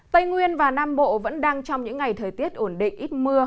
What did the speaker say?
tây nguyên và nam bộ vẫn đang trong những ngày thời tiết ổn định ít mưa